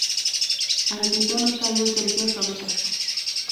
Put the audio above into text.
انګریزانو ته یو ځل بیا ثابته شوه.